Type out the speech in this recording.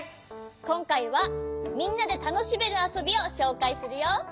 こんかいはみんなでたのしめるあそびをしょうかいするよ。